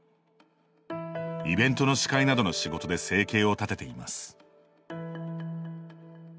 イベントの司会などの仕事で生計を立てています。